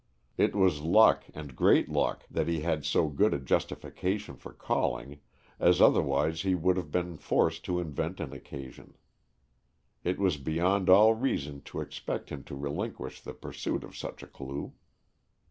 It was luck and great luck that he had so good a justification for calling, as otherwise he would have been forced to invent an occasion. It was beyond all reason to expect him to relinquish the pursuit of such a clue.